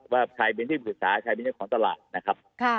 ว่าใครเป็นที่ปรึกษาใครเป็นเจ้าของตลาดนะครับ